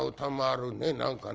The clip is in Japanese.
何かね。